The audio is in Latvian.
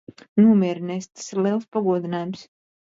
Nomierinies. Tas ir liels pagodinājums.